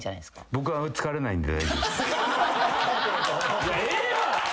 「僕疲れないんで」